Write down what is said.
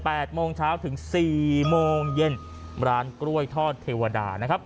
โมงเช้าถึงสี่โมงเย็นร้านกล้วยทอดเทวดานะครับ